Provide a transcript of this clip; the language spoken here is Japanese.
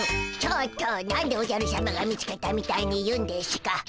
ちょっと何でおじゃるしゃまが見つけたみたいに言うんでしゅか？